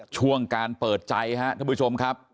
ช่วงการเปิดใจครับท่านผู้ชมครับ